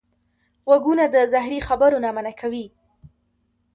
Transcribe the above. غوږونه د زهري خبرو نه منع کوي